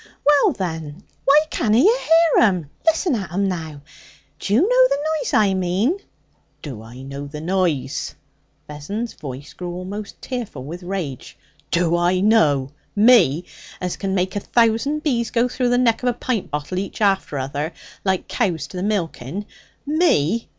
'Well, then, why canna you hear 'em? Listen at 'em now. D'you know the noise I mean?' 'Do I know the noise?' Vessons' voice grew almost tearful with rage. 'Do I know? Me! As can make a thousand bees go through the neck of a pint bottle each after other, like cows to the milking! Me!